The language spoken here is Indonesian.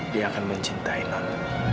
dia akan mencintai non